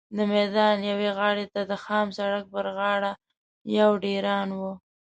د میدان یوې غاړې ته د خام سړک پر غاړه یو ډېران و.